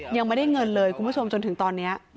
ยังไม่ได้เงินเลยคุณผู้ชมจนถึงตอนนี้